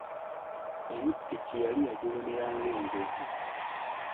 Eri ppiki yali yagulumira ng’enjovu.